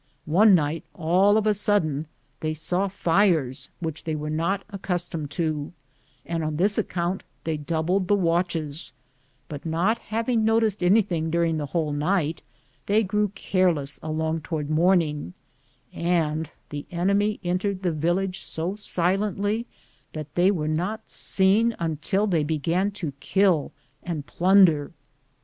One night all of a sudden they saw fires which they were not accustomed to, and on this account they doubled the watches, but not having noticed anything during the whole night, they grew careless along toward morning, and the enemy entered the village so silently that they were not seen until they began to kill and plunder.